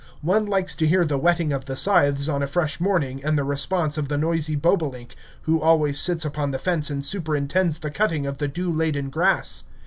One likes to hear the whetting of the scythes on a fresh morning and the response of the noisy bobolink, who always sits upon the fence and superintends the cutting of the dew laden grass.